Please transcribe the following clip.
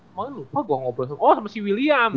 oh lupa gua ngobrol sama si oh sama si william